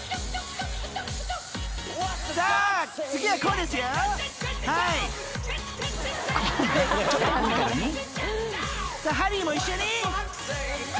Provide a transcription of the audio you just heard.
［さあハリーも一緒に！］